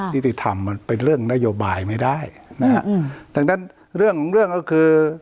ติธรรมมันเป็นเรื่องนโยบายไม่ได้นะฮะอืมดังนั้นเรื่องของเรื่องก็คือ